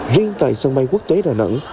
riêng tại sân bay quốc tế đà nẵng